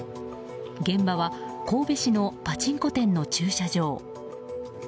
現場は神戸市のパチンコ店の駐車場。